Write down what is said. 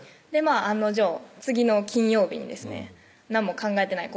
案の定次の金曜日にですね何も考えてない